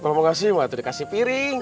kalau mau gak sih mbak tuh dikasih piring